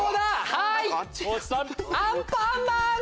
はい！